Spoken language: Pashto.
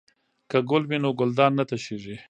که ګل وي نو ګلدان نه تشیږي.